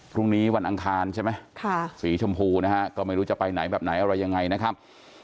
พรุ่งนี้วันอังคารใช่ไหมสีชมพูนะฮะก็ไม่รู้จะไปไหนแบบไหนอะไรยังไงนะครับ